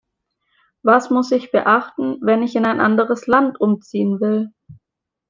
Was muss ich beachten, wenn ich in ein anderes Land umziehen will?